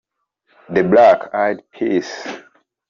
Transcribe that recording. the Black Eyed Peas